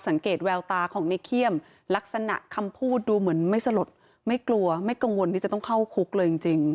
แววตาของในเขี้ยมลักษณะคำพูดดูเหมือนไม่สลดไม่กลัวไม่กังวลที่จะต้องเข้าคุกเลยจริง